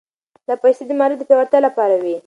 دا پيسې د معارف د پياوړتيا لپاره وې.